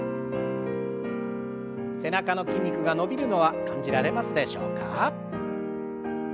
背中の筋肉が伸びるのは感じられますでしょうか。